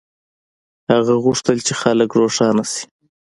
هغه غوښتل چې خلک روښانه شي.